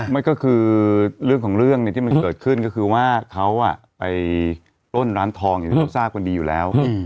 ไม่ก็คือเรื่องของเรื่องที่มันเกิดขึ้นก็คือว่าเขาไปปล้นร้านทองอย่างที่เราทราบกันดีอยู่แล้ว